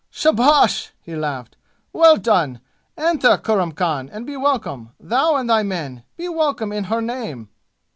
"Shabash!" he laughed. "Well done! Enter, Kurram Khan, and be welcome, thou and thy men. Be welcome in her name!"